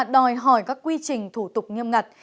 đòi hỏi các quy trình thủ tục nghiêm ngặt